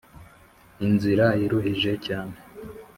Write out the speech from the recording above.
inzira iruhije cyane